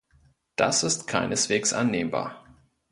Das ist keineswegs annehmbar.